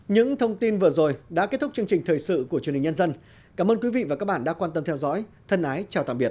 những thông tin vừa rồi đã kết thúc chương trình thời sự của truyền hình nhân dân cảm ơn quý vị và các bạn đã quan tâm theo dõi thân ái chào tạm biệt